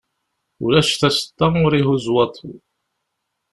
Ulac taseṭṭa ur ihuzz waḍu.